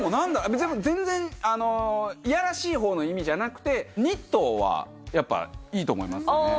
別に全然いやらしい方の意味じゃなくてニットはやっぱいいと思いますよね